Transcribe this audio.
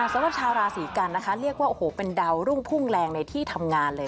สำหรับชาวราศีกันนะคะเรียกว่าโอ้โหเป็นดาวรุ่งพุ่งแรงในที่ทำงานเลย